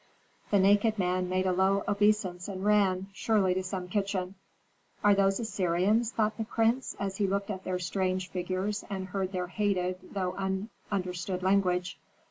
The naked man made a low obeisance and ran, surely to some kitchen. "Are those Assyrians?" thought the prince, as he looked at their strange figures and heard their hated, though un understood language.